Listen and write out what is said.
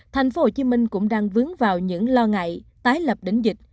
thành phố hồ chí minh cũng đang vướng vào những lo ngại tái lập đỉnh dịch